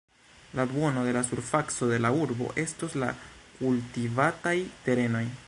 La duono de la surfaco de la urbo estos la kultivataj terenoj.